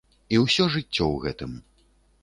І ўсё жыццё ў гэтым.